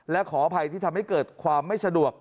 และขออภัยที่ทำให้เกิดความไม่สะดวก